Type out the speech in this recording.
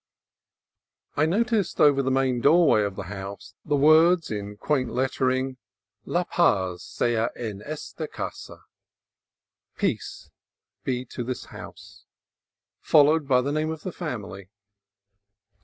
I noticed over the main doorway of the house the words, in quaint lettering, " La paz sea en esta casa" (Peace be to this house), followed by the name of the family.